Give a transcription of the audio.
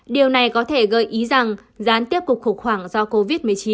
điều này có thể gợi ý rằng gián tiếp cục khủng khoảng do covid một mươi chín